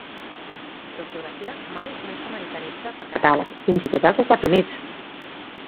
L'ortografia mai no s'americanitza per "catàleg", fins i tot als Estats Units.